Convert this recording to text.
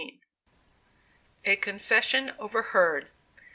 A CONFESSION OVERHEARD.